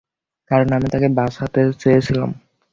কারণ আমি তাকে বাঁচাতে চেয়েছিলাম।